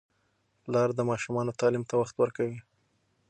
پلار د ماشومانو تعلیم ته وخت ورکوي.